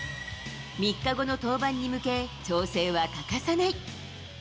３日後の登板に向け、調整は欠かさない。